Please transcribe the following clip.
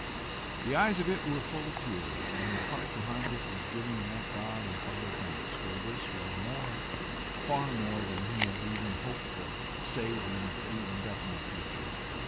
The eyes of it were full of tears, and the heart behind it was giving that God and Father thanks, for this was more, far more than he had even hoped for, save in the indefinite future.